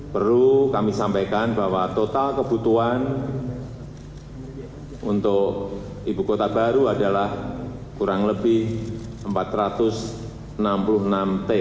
perlu kami sampaikan bahwa total kebutuhan untuk ibu kota baru adalah kurang lebih empat ratus enam puluh enam triliun